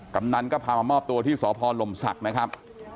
กำนันก็พามามอบตัวที่สพลมศักดิ์นะครับ